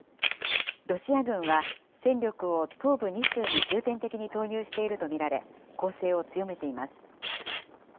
ロシア軍は戦力を東部２州に重点的に投入していると見られ、攻勢を強めています。